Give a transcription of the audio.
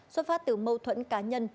xuất phát từ mâu thuẫn cá nhân